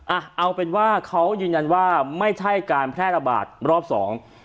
อ่ะเอาเป็นว่าเขายืนยันว่าไม่ใช่การแพร่ระบาดรอบสอง